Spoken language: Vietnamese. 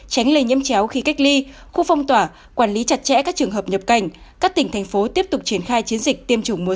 tránh lây nhiễm chéo khi cách ly khu phong tỏa quản lý chặt chẽ các trường hợp nhập cảnh các tỉnh thành phố tiếp tục triển khai chiến dịch tiêm chủng mới